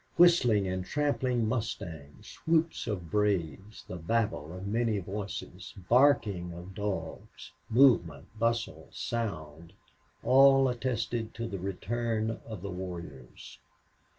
Whistling and trampling mustangs, whoops of braves, the babel of many voices, barking of dogs, movement, bustle, sound all attested to the return of the warriors.